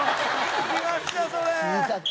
聞きましたそれ。